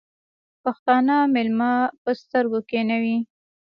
پښتانه مېلمه په سترگو کېنوي.